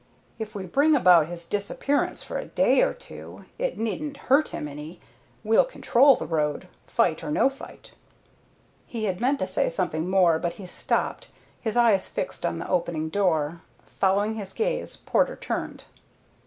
"If we bring about his disappearance for a day or two, it needn't hurt him any, we'll control the road, fight or no fight." He had meant to say something more, but he stopped, his eyes fixed on the opening door. Following his gaze Porter turned.